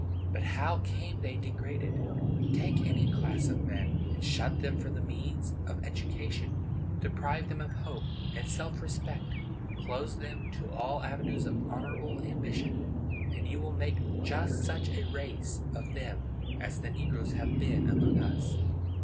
But how came they degraded? Take any class of men, and shut them from the means of education, deprive them of hope and self respect, close to them all avenues of honorable ambition, and you will make just such a race of them as the negroes have been among us.